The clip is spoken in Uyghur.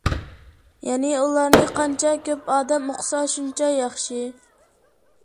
يەنى، ئۇلارنى قانچە كۆپ ئادەم ئوقۇسا شۇنچە ياخشى.